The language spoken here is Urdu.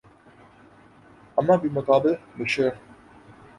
اماں بمقابلہ بشر